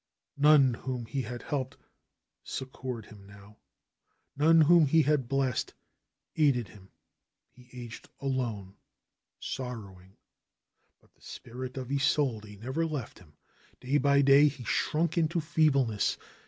None whom he had helped succored him now; none whom he had blessed aided him. He aged alone, sorrowing. But the spirit of Isolde never left him. Day by day he shrunk into feebleness.